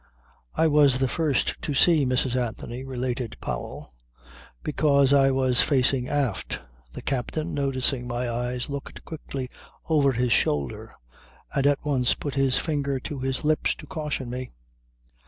"I was the first to see Mrs. Anthony," related Powell, "because I was facing aft. The captain, noticing my eyes, looked quickly over his shoulder and at once put his finger to his lips to caution me.